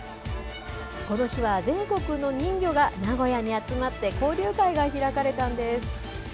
この日は全国の人魚が名古屋に集まって、交流会が開かれたんです。